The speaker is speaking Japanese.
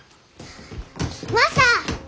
マサ！